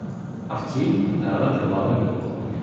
А втім, нарада тривала недовго.